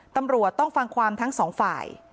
ตำรวจต้องฟังความทั้งสองฝ่าย